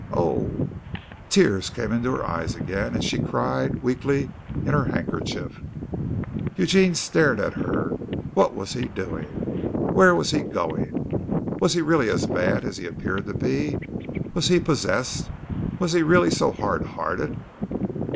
Oh!" Tears came into her eyes again and she cried weakly in her handkerchief. Eugene stared at her. What was he doing? Where was he going? Was he really as bad as he appeared to be here? Was he possessed? Was he really so hard hearted?